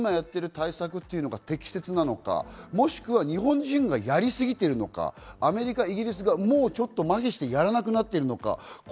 日本人が今やってる対策が適切なのか、もしくは日本人がやりすぎてるのか、アメリカ、イギリスがもうちょっとまひして、やらなくなってるのか。